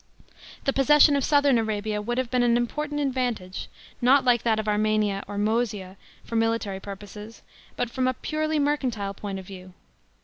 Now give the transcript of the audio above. The possession of southern Arabia would have been an important advantage, not like that of Armenia or Mcesia for military purposes, but from a purely mercantile point of view.